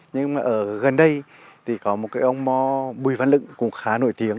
nhưng mà ở gần đây thì có một cái ông bùi văn lựng cũng khá nổi tiếng